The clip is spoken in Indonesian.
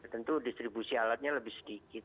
tentu distribusi alatnya lebih sedikit